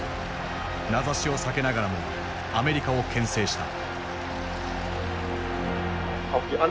名指しを避けながらもアメリカを牽制した。